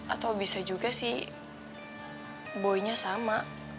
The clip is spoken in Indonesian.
atau bisa juga sih boynya sama